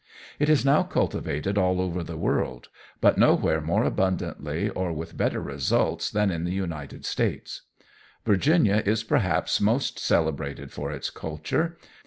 It is now cultivated all over the world, but nowhere more abundantly or with better results than in the United States. Virginia is perhaps most celebrated for its culture.